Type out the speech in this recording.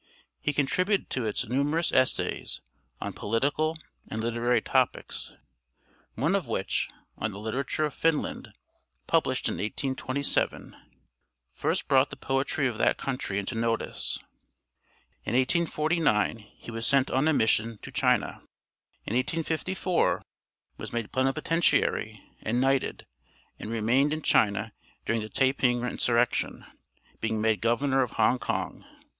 He contributed to it numerous essays on political and literary topics, one of which, on the literature of Finland, published in 1827, first brought the poetry of that country into notice. In 1849 he was sent on a mission to China; in 1854 was made plenipotentiary and knighted, and remained in China during the Taeping insurrection, being made governor of Hong Kong.